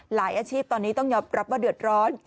อาชีพตอนนี้ต้องยอมรับว่าเดือดร้อน